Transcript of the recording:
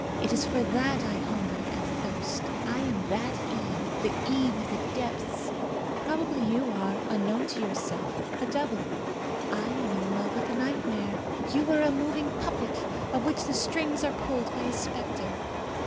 It is for that I hunger and thirst. I am that Eve, the Eve of the depths. Probably you are, unknown to yourself, a devil. I am in love with a nightmare. You are a moving puppet, of which the strings are pulled by a spectre.